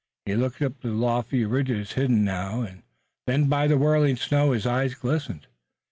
He looked up at the lofty ridges hidden now and then by the whirling snow, and his eyes glistened.